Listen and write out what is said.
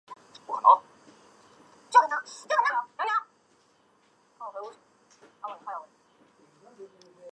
格里隆人口变化图示